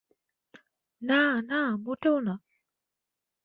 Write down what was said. না, না, মোটেও না।